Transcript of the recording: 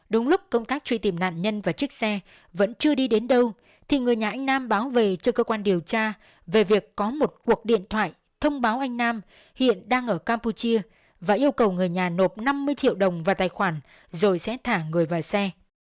đúng lúc công tác truy tìm nạn nhân và chiếc xe vẫn chưa đi đến đâu thì người nhà anh nam báo về cho cơ quan điều tra về việc có một cuộc điện thoại thông báo anh nam hiện đang ở campuchia và yêu cầu người nhà nộp năm mươi triệu đồng vào tài khoản rồi sẽ thả người vào xe